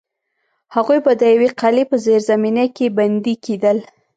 هغوی به د یوې قلعې په زیرزمینۍ کې بندي کېدل.